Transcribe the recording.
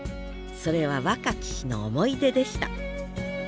それは若き日の思い出でした